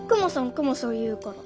クマさん言うから。